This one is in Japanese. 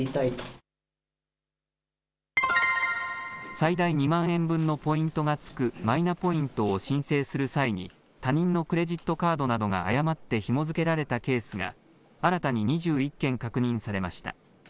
最大２万円分のポイントがつくマイナポイントを申請する際に他人のクレジットカードなどが誤ってひも付けられたケースが新たに２１件確認されました。